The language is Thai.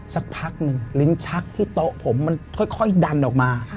สักพักหนึ่งลิ้นชักที่โต๊ะผมมันค่อยดันออกมา